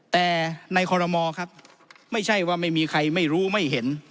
แต่ในคอรมอครับไม่ใช่ว่าไม่มีใครไม่รู้ไม่เห็น